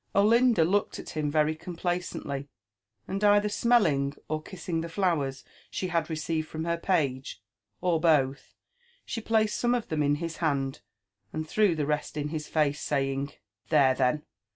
Olinda looked at him very complacently, and either smelling or kissing the flowers she had received from her page, or both, she placed some of them in his hand, and threw the rest in bis face, say* ing, There, then!